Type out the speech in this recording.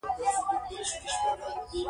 او پښتون د خپل اکثريت بګتۍ ږغوي.